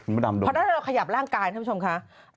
เพราะนั้นเราขยับร่างกายครับผู้ชมคะ